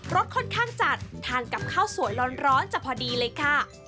สค่อนข้างจัดทานกับข้าวสวยร้อนจะพอดีเลยค่ะ